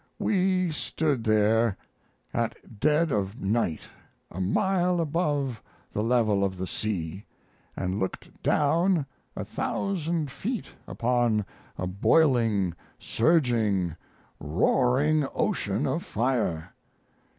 We stood there, at dead of night, a mile above the level of the sea, and looked down a thousand feet upon a boiling, surging, roaring ocean of fire!